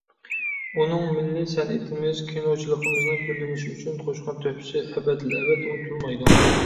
ئۇنىڭ مىللىي سەنئىتىمىز، كىنوچىلىقىمىزنىڭ گۈللىنىشى ئۈچۈن قوشقان تۆھپىسى ئەبەدىلئەبەد ئۇنتۇلمايدۇ.